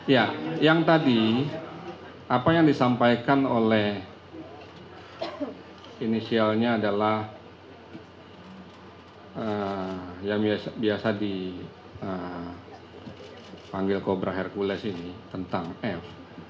ya yang tadi apa yang disampaikan oleh inisialnya adalah yang biasa dipanggil kobra hercules ini tentang f